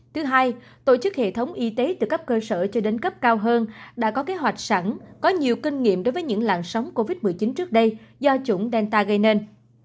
thứ hai tổ chức hệ thống y tế từ cấp cơ sở cho đến cấp cao hơn đã có kế hoạch sẵn có nhiều kinh nghiệm đối với những làn sóng covid một mươi chín trước đây do chủng delta gây nên